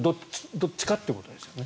どっちかということですよね。